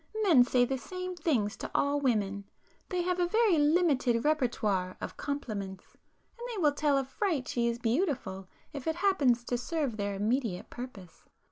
Men say the same things to all women,—they have a very limited répertoire of compliments,—and they will tell a fright she is beautiful, if it [p 319] happens to serve their immediate purpose.